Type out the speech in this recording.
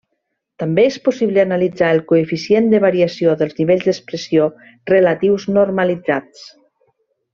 També és possible analitzar el coeficient de variació dels nivells d'expressió relatius normalitzats.